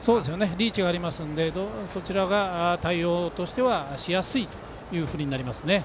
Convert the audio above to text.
リーチがありますのでそちらが対応としてはしやすいということになります。